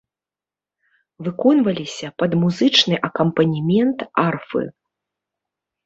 Выконваліся пад музычны акампанемент арфы.